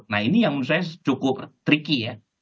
nah ini yang menurut saya cukup tricky ya